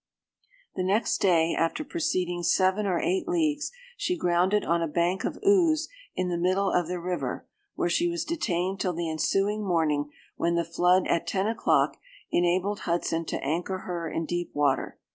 "The next day, after proceeding seven or eight leagues, she grounded on a bank of ooze in the middle of the river, where she was detained till the ensuing morning, when the flood, at ten o'clock, enabled Hudson to anchor her in deep water.